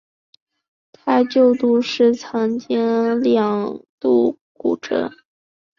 他就读时则曾经两度骨折。